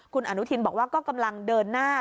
คุณอนุทินบอกว่าก็กำลังเดินหน้า